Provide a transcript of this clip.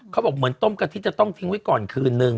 เขาบอกเหมือนต้มกะทิจะต้องทิ้งไว้ก่อนคืนนึง